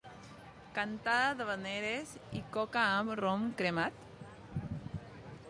Cantada d'havaneres i coca amb rom cremat.